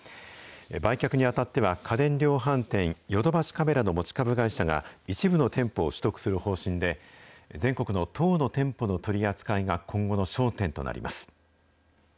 売却にあたっては、家電量販店、ヨドバシカメラの持ち株会社が一部の店舗を取得する方針で、全国の１０の店舗の取り扱いが今後の焦点となります。